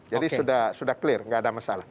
jadi sudah clear nggak ada masalah